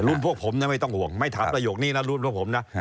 พวกผมนะไม่ต้องห่วงไม่ถามประโยคนี้นะรุ่นพวกผมนะ